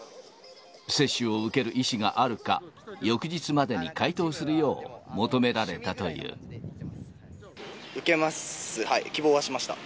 接種を受ける意思があるか、翌日までに回答するよう求められ受けます、希望はしました。